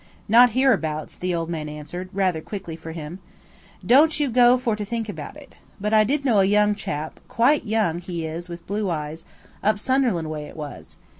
"Not hereabouts," the old man answered, rather quickly for him. "Don't you go for to think it. But I did know a young chap–quite young he is with blue eyes–up Sunderland way it was.